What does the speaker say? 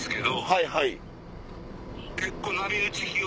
はいはい。